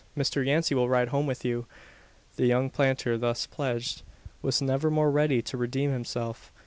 Mr Yancey will ride home with you." The young planter thus pledged was never more ready to redeem himself.